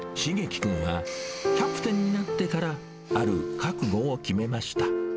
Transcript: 蒼基君はキャプテンになってからある覚悟を決めました。